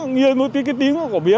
nghe nghe cái tiếng của bé